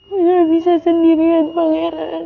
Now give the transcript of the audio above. gue gak bisa sendiri kan pangeran